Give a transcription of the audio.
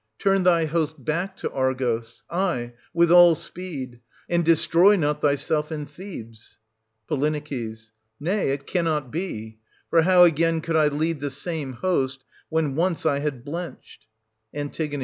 Turn thy host back to Argos, — aye, with all speed, — and destroy not thyself and Thebes. Po. Nay, it cannot be : for how again could I lead the same host, when once I had blenched t An.